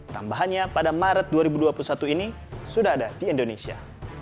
tambahannya pada maret dua ribu dua puluh satu ini sudah ada di indonesia